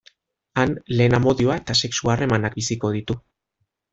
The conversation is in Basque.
Han lehen amodioa eta sexu-harremanak biziko ditu.